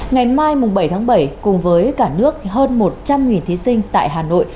ngày mai bảy tháng bảy cùng với cả nước hơn một trăm linh thí sinh tại hà nội